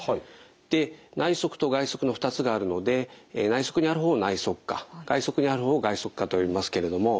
で内側と外側の２つがあるので内側にある方を内側顆外側にある方を外側顆と呼びますけれども。